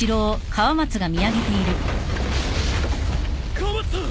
河松さん！